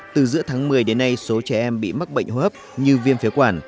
từ giữa tháng một mươi đến nay số trẻ em bị mắc bệnh hô hấp như viêm phế quản